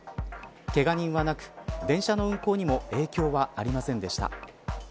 けが人はなく、電車の運行にも影響はありませんでした。